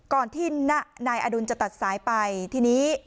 ก่อนที่นายอดุลจะตัดสายไปทีนี้